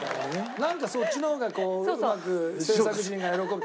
なんかそっちの方がうまく制作陣が喜ぶ。